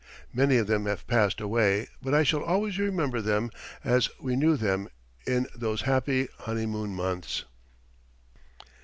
Many of them have passed away, but I shall always remember them as we knew them in those happy honeymoon months.